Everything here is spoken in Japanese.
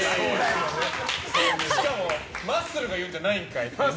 しかも、マッスルが言うんじゃないんかい！